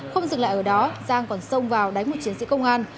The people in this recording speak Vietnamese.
không dừng lại ở đó giang còn xông vào đánh một chiến sĩ công an